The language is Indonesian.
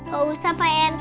gak usah pak rt